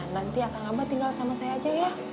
nanti kang abah tinggal sama saya aja ya